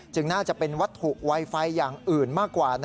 น่าจะเป็นวัตถุไวไฟอย่างอื่นมากกว่า